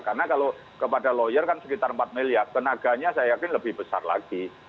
karena kalau kepada lawyer kan sekitar empat miliar tenaganya saya yakin lebih besar lagi